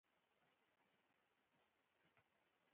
د انسان د انتخابي طاقت سره برابروې ؟